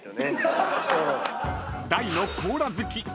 ［大のコーラ好き］